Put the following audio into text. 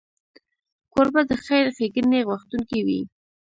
کوربه د خیر ښیګڼې غوښتونکی وي.